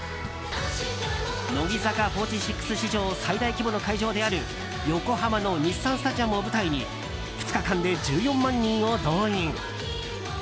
乃木坂４６史上最大規模の会場である横浜の日産スタジアムを舞台に２日間で１４万人を動員。